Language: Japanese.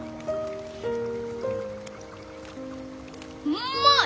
うんまい！